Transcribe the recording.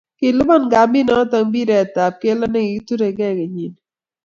kiluban kambinit noto mpiret ab kelto nekikiturekei kenyini.